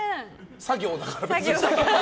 作業だから。